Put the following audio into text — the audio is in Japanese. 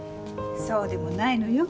そうでもないのよ。